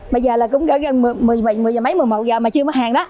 bây giờ là cũng gần một mươi giờ mấy một mươi một giờ mà chưa mở hàng đó